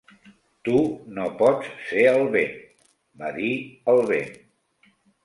"Tu no pots ser el vent" va dir el vent.